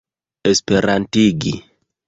esperantigi